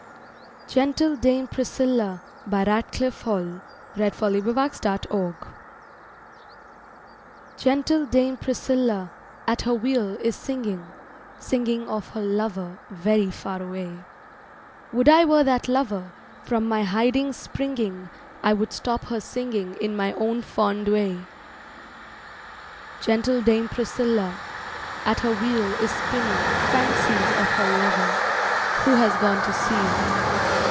GENTLE DAME PRISCILLA (Song) Gentle Dame Priscilla At her wheel is singing, Singing of her lover, very far away. Would I were that lover, From my hiding springing I would stop her singing in my own fond way. Gentle Dame Priscilla At her wheel is spinning Fancies of her lover, who has gone to sea.